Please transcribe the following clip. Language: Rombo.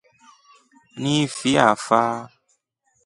Ni fi afa?